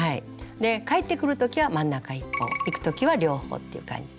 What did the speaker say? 返ってくる時は真ん中１本行く時は両方っていう感じで。